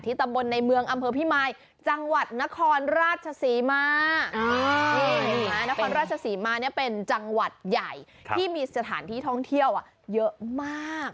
ตำบลในเมืองอำเภอพิมายจังหวัดนครราชศรีมานี่เห็นไหมนครราชศรีมาเนี่ยเป็นจังหวัดใหญ่ที่มีสถานที่ท่องเที่ยวเยอะมาก